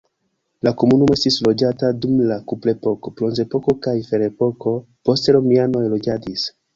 La komunumo estis loĝata dum la kuprepoko, bronzepoko kaj ferepoko, poste romianoj loĝadis.